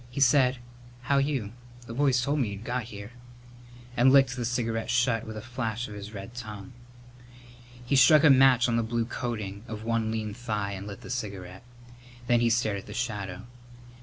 He said, "How you? The boys told me you'd got here," and licked the cigarette shut with a flash of his red tongue. He struck a match on the blue coating of one lean thigh and lit the cigarette, then stared at the shadow.